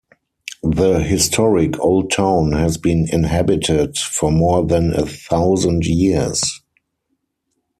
The historic old town has been inhabited for more than a thousand years.